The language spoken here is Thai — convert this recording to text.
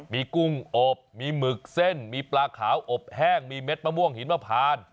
มีกุ้งอบมีหมึกเส้นมีปลาขาวอบแห้งมีเม็ดมะม่วงหินมะพาน